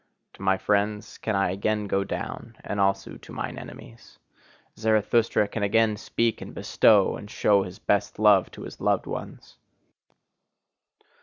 To my friends can I again go down, and also to mine enemies! Zarathustra can again speak and bestow, and show his best love to his loved ones!